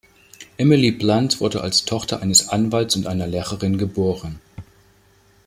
Emily Blunt wurde als Tochter eines Anwalts und einer Lehrerin geboren.